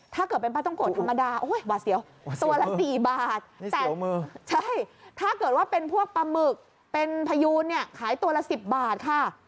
ถ้าเป็นปลาหมึกเป็นพยูนขายตัวละ๑๐บาทค่ะ